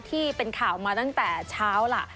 ที่เป็นข่าวมาตั้งแต่เช้าล่ะ